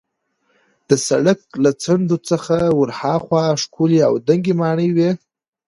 د سړک له څنډو څخه ورهاخوا ښکلې او دنګې ماڼۍ وې.